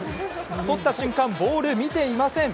とった瞬間ボール見ていません。